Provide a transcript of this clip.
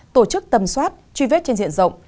tổ chức tầm soát truy vết trên diện rộng